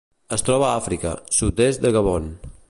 Es troba a Àfrica: sud-est de Gabon.